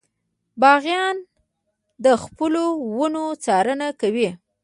باغبان د خپلو ونو څارنه کوي.